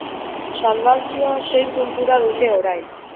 Salbazioa sei puntura dute orain.